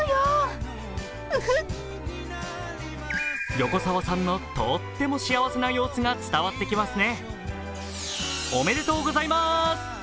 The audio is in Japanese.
横澤さんのとーっても幸せな様子が伝わってきますね。